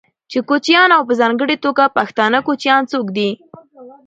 چې کوچيان او په ځانګړې توګه پښتانه کوچيان څوک دي،